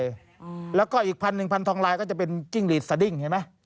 อั๋อแล้วก็อีกพันธุ์หนึ่งพันธุ์ทองลายก็จะเป็นจิ้งรีดสะดิงเห็นไหม